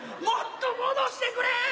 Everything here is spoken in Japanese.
もっと戻してくれ！